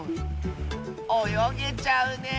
およげちゃうねえ！